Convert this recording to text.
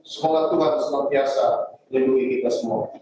semoga tuhan semangat biasa lindungi kita semua